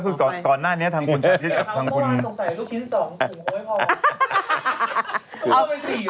เมื่อเมื่อวานสงสัยลูกชิ้น๒ถูงโฮ้ยพอ